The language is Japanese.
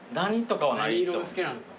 何色が好きなの？